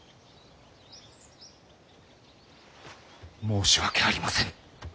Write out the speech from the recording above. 申し訳ありませぬ。